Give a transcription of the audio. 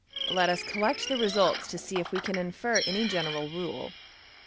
Let us collect the results to see if we can infer any general rule.